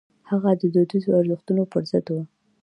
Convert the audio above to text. هغه د دودیزو ارزښتونو پر ضد و.